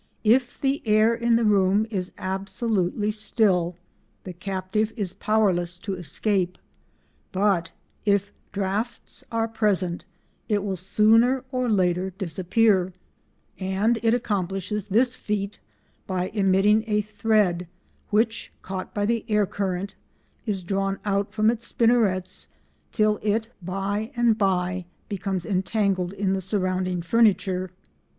If the air in the room is absolutely still the captive is powerless to escape, but if draughts are present it will sooner or later disappear; and it accomplishes this feat by emitting a thread which, caught by the air current, is drawn out from its spinnerets till it by and by becomes entangled in the surrounding furniture.